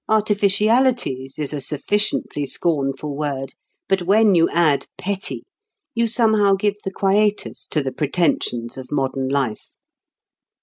"Artificialities" is a sufficiently scornful word, but when you add "petty" you somehow give the quietus to the pretensions of modern life.